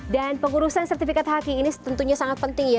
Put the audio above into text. dan pengurusan sertifikat haki ini tentunya sangat penting ya